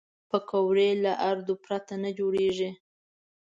پکورې له آردو پرته نه جوړېږي